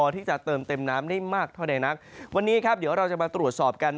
ที่จะเติมเต็มน้ำได้มากเท่าใดนักวันนี้ครับเดี๋ยวเราจะมาตรวจสอบกัน